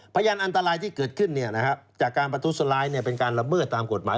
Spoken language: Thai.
พยานอันตรายที่เกิดขึ้นเนี่ยนะครับจากการประทุสลายเนี่ยเป็นการระเบิดตามกฎหมาย